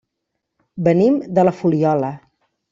Venim de la Fuliola.